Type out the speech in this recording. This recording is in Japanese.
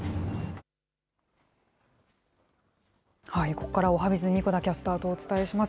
ここからはおはＢｉｚ、神子田キャスターとお伝えします。